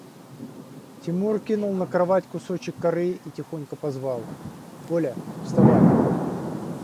Тимур кинул на кровать кусочек коры и тихонько позвал: – Коля, вставай!